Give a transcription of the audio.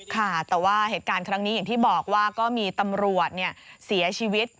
ค่ะแต่ว่าเหตุการณ์ครั้งนี้อย่างที่บอกว่าก็มีตำรวจเสียชีวิต